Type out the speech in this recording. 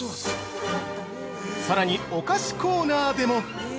さらに、お菓子コーナーでも。